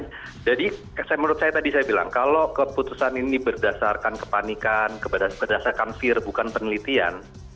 jadi menurut saya tadi saya bilang kalau keputusan ini berdasarkan kepanikan berdasarkan fear bukan penelitian